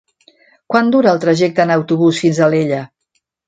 Quant dura el trajecte en autobús fins a Alella?